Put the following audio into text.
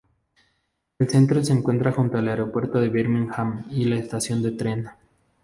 El centro se encuentra junto al aeropuerto de Birmingham y la estación de tren.